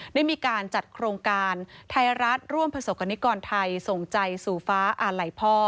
ได้มีการจัดโครงการไทยรัฐร่วมประสบกรณิกรไทยส่งใจสู่ฟ้าอาไหล่พ่อ